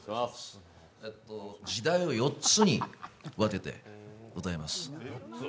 時代を４つに分けて歌います。